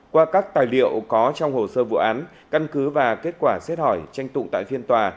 qua các tài liệu có trong hồ sơ vụ án căn cứ và kết quả xét hỏi tranh tụng tại phiên tòa